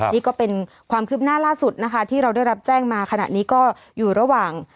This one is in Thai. นี่ก็เป็นความคืบหน้าล่าสุดนะคะที่เราได้รับแจ้งมาขณะนี้ก็อยู่ระหว่าง